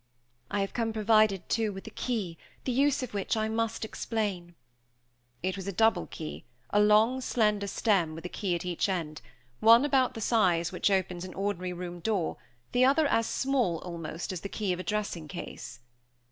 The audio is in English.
"I have come provided, too, with a key, the use of which I must explain." It was a double key a long, slender stem, with a key at each end one about the size which opens an ordinary room door; the other as small, almost, as the key of a dressing case.